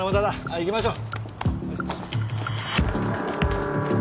行きましょう。